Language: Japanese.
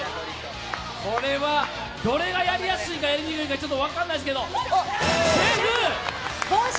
これはどれがやりやすいか、やりにくいか分からないですけれども。